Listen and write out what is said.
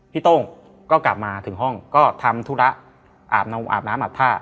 โต้งก็กลับมาถึงห้องก็ทำธุระอาบน้ำอาบท่า